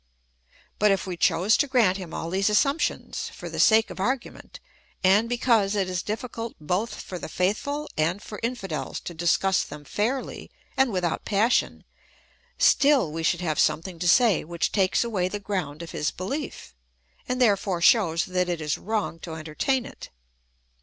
But if we chose to grant him all these assumptions, for the sake of argu ment, and because it is difficult both for the faithful and for infidels to discuss them fairly and without passion, still we should have something to say which takes away the ground of his behef, and therefore shows that it is wrong to entertain it.